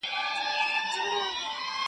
o لیکل سوي ټول د ميني افسانې دي,